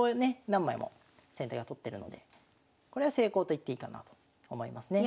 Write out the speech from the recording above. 何枚も先手が取ってるのでこれは成功と言っていいかなと思いますね。